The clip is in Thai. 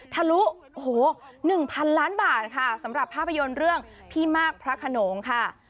ทะลุโอ้โห๑๐๐๐ล้านบาทค่ะสำหรับภาพยนตร์เรื่องพี่มากพระขนงค่ะ